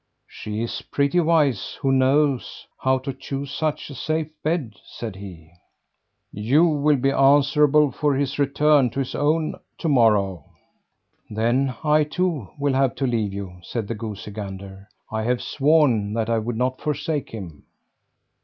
"She is pretty wise who knows how to choose such a safe bed," said he. "You will be answerable for his return to his own to morrow." "Then I, too, will have to leave you," said the goosey gander. "I have sworn that I would not forsake him."